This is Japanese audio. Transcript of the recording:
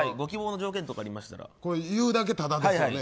言うだけタダですよね。